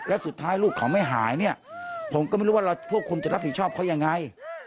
แล้วสุดท้ายลูกเขาไม่หายเนี่ยผมก็ไม่รู้ว่าพวกคุณจะรับผิดชอบเขายังไง